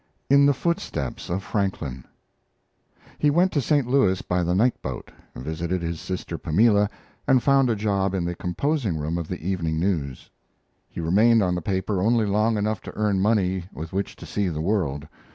IN THE FOOTSTEPS OF FRANKLIN He went to St. Louis by the night boat, visited his sister Pamela, and found a job in the composing room of the Evening News. He remained on the paper only long enough to earn money with which to see the world.